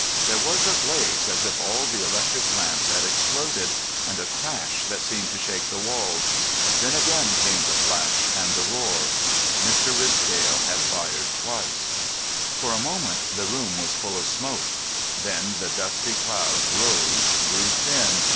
There was a blaze as if all the electric lamps had exploded, and a crash that seemed to shake the walls. Then again came the flash and the roar. Mr. Ridsdale had fired twice. For a moment the room was full of smoke. Then the dusty cloud rose, grew thin.